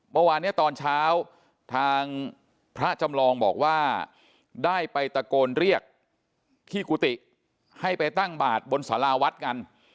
เมื่อวานเนี่ยตอนเช้าทางพระจำลองบอกว่าได้ไปตะโกนเรียกที่กุฏิให้ไปตั้งบาดบนสาราวัดกัน